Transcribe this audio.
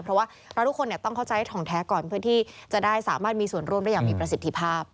เพราะว่าเราทุกคนต้องเข้าใจทองแท้ก่อนเพื่อที่จะได้สามารถมีส่วนร่วมได้อย่างมีประสิทธิภาพ